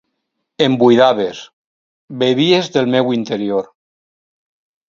Em buidaves; bevies del meu interior.